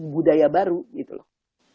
budaya baru gitu loh